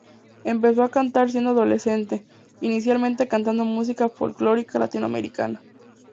Empezó a cantar siendo adolescente, inicialmente cantando música folclórica latinoamericana.